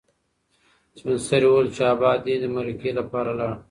سپین سرې وویل چې ابا دې د مرکې لپاره لاړ.